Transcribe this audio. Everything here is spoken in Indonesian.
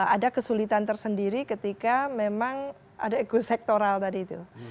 ada kesulitan tersendiri ketika memang ada ekosektoral tadi itu